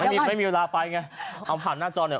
ไม่มีไม่มีเวลาไปไงเอาผ่านหน้าจอเนี่ย